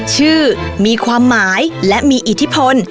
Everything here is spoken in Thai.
ชื่อมีความหมายและมีอิทธิพล